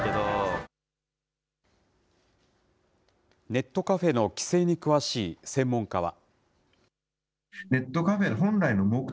ネットカフェの規制に詳しい専門家は。